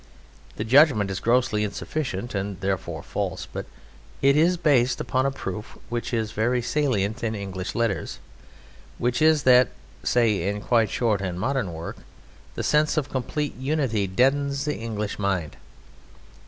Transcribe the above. The judgment is grossly insufficient, and therefore false, but it is based upon a proof which is very salient in English letters, which is that, say, in quite short and modern work the sense of complete unity deadens the English mind.